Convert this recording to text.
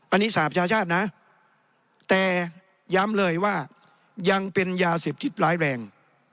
อันนี้สหประชาชาตินะแต่ย้ำเลยว่ายังเป็นยาเสพที่ร้ายแรง